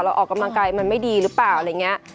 ออกกำลังกายมันไม่ดีหรือเปล่าอะไรอย่างนี้